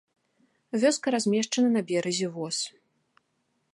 Вёска размешчана на беразе воз.